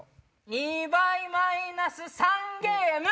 ２倍マイナス３ゲーム。